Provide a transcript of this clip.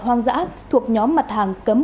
hoang dã thuộc nhóm mặt hàng cấm